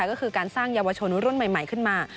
ก็คือการสร้างเยาวชนรุ่นใหม่ขึ้นมา